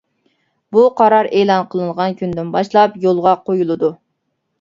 بۇ قارار ئېلان قىلىنغان كۈندىن باشلاپ يولغا قويۇلىدۇ.